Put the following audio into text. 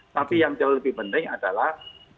tapi yang jauh lebih penting adalah